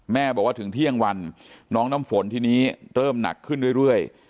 บอกว่าถึงเที่ยงวันน้องน้ำฝนทีนี้เริ่มหนักขึ้นเรื่อย